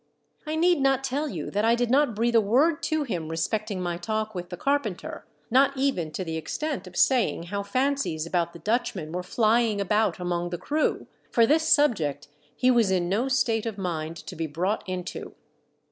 I need not tell you that I did not breathe a word to him respecting my talk with the carpenter, not even to the extent of saying how fancies about the Dutchman were flying about among the crew, for this subject he was in no state of mind to be brought into.